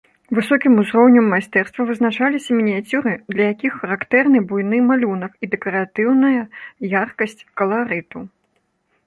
Высокім узроўнем майстэрства вызначаліся мініяцюры, для якіх характэрны буйны малюнак і дэкаратыўная яркасць каларыту.